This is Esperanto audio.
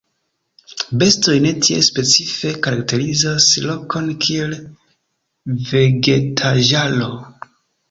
Bestoj ne tiel specife karakterizas lokon kiel vegetaĵaro.